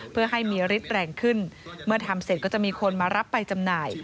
เพื่อให้มีฤทธิ์แรงขึ้นเมื่อทำเสร็จก็จะมีคนมารับไปจำหน่าย